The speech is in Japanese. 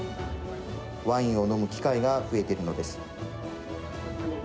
ワインを飲む機会が増えているのです。